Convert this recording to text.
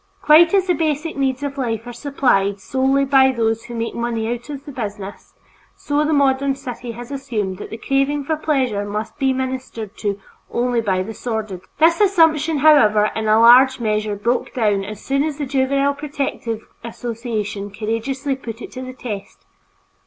Quite as the basic needs of life are supplied solely by those who make money out of the business, so the modern city has assumed that the craving for pleasure must be ministered to only by the sordid. This assumption, however, in a large measure broke down as soon as the Juvenile Protective Association courageously put it to the test.